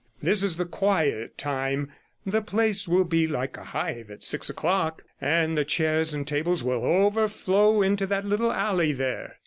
This is the quiet time; the place will be like a hive at six o'clock, and the chairs and tables will overflow into that little alley there.'